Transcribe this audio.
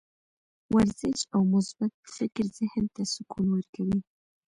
ورزش او مثبت فکر ذهن ته سکون ورکوي.